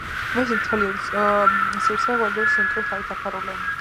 მისი მთელი სივრცე გვარჯილის ნიტრატით არის დაფარული.